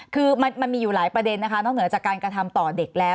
คือมันมีอยู่หลายประเด็นนะคะนอกเหนือจากการกระทำต่อเด็กแล้ว